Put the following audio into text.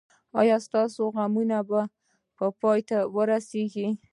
ایا ستاسو غمونه به پای ته ورسیږي؟